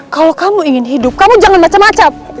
kalo kamu ingin hidup kamu jangan macem macem